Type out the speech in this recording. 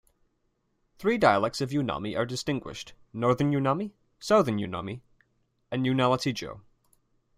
Three dialects of Unami are distinguished: Northern Unami, Southern Unami, and Unalachtigo.